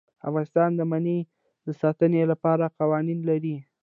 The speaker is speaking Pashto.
افغانستان د منی د ساتنې لپاره قوانین لري.